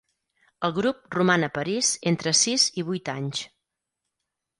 El grup roman a París entre sis i vuit anys.